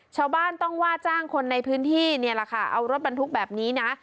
ชาวบ้านต้องว่าจ้างคนในพื้นที่เนี่ยแหละค่ะเอารถบรรทุกแบบนี้นะ